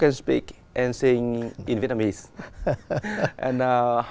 anh biết không khi tôi đến đây